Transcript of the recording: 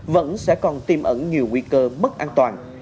vẫn sẽ còn tiêm ẩn nhiều nguy cơ mất an toàn